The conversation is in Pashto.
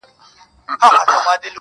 زه شاعر سړی یم بې الفاظو نور څه نه لرم,